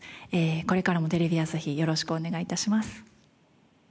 これからもテレビ朝日よろしくお願い致します。